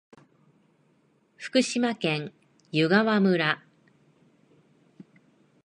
福島県湯川村